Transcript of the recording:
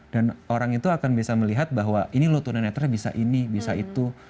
dan orang itu akan bisa melihat bahwa ini lotuneneternya bisa ini bisa itu